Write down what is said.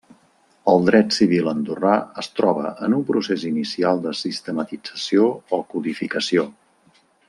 El dret civil andorrà es troba en un procés inicial de sistematització o codificació.